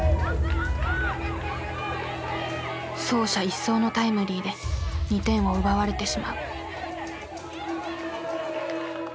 走者一掃のタイムリーで２点を奪われてしまう。